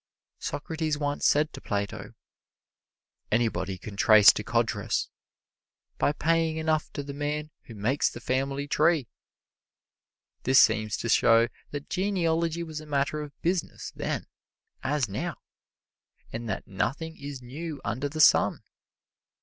Socrates once said to Plato, "Anybody can trace to Codrus by paying enough to the man who makes the family tree." This seems to show that genealogy was a matter of business then as now, and that nothing is new under the sun.